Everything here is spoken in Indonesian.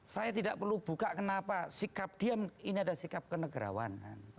saya tidak perlu buka kenapa sikap diam ini adalah sikap kenegarawanan